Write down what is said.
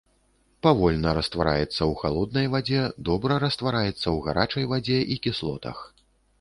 Павольна раствараецца ў халоднай вадзе, добра раствараецца ў гарачай вадзе і кіслотах.